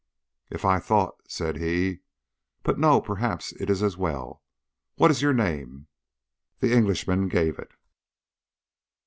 "If I thought " said he. "But no, perhaps it is as well. What is your name?" The Englishman gave it.